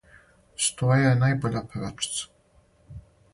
Стоја је најбоља певачица.